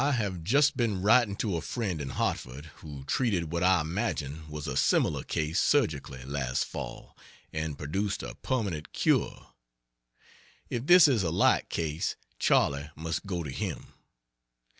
I have just been writing to a friend in Hartford' who treated what I imagine was a similar case surgically last fall, and produced a permanent cure. If this is a like case, Charley must go to him.